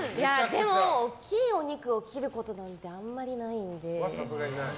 でも、大きいお肉を切ることなんてないので。